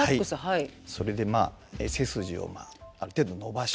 それで背筋をある程度伸ばして。